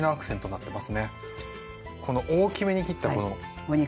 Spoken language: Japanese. この大きめに切ったこのお肉。